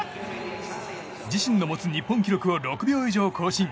自身の持つ日本記録を６秒以上更新。